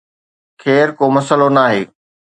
خير، ڪو مسئلو ناهي